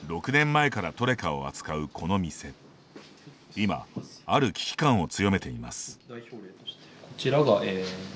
今、ある危機感を強めています。